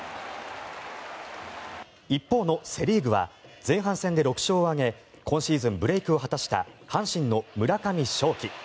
一方のセ・リーグは前半戦で６勝を挙げ今シーズン、ブレークを果たした阪神の村上頌樹。